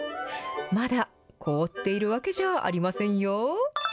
まだ凍っているわけじゃありませんよ。